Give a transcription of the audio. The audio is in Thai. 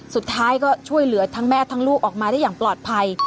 สุดท้ายก็ช่วยเหลือทั้งแม่ทั้งลูกออกมาได้อย่างปลอดภัย